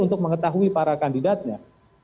untuk mengetahui para kandidatnya